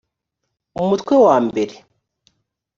umutwe wa mbere